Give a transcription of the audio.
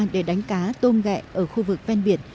để đánh cá tôm gẹ ở khu vực ven biển